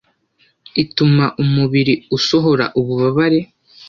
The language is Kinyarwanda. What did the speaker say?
ituma umubiri usohora ububabare